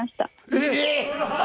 えっ！？